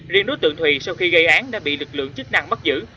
riêng đối tượng thùy sau khi gây án đã bị lực lượng chức năng bắt giữ